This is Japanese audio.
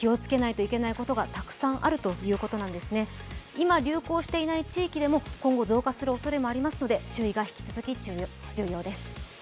今、流行していない地域でも今後増加するおそれもありますので、注意が引き続き重要です。